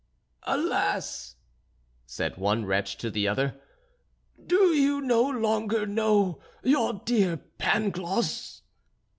"Alas!" said one wretch to the other, "do you no longer know your dear Pangloss?"